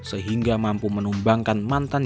sehingga mampu menumbangkan mantan